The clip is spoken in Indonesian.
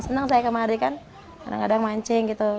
senang saya kemari kan kadang kadang mancing gitu